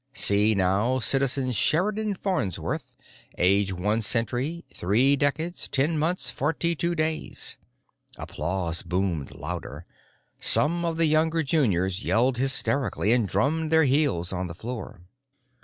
See now Citizen Sheridan Farnsworth, age one century, three decades, ten months, forty two days." Applause boomed louder; some of the younger juniors yelled hysterically and drummed their heels on the floor.